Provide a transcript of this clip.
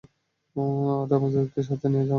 আরে, আমাদেরকেও সাথে নিয়ে যাও না!